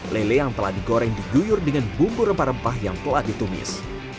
lele yang telah digoreng diguyur dengan bumbu rempah rempah yang telah ditumis